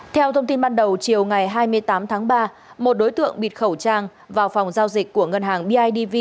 theo thông tin ban đầu chiều ngày hai mươi tám tháng ba một đối tượng bịt khẩu trang vào phòng giao dịch của ngân hàng bidv